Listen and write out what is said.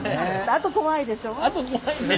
あと怖いでしょう？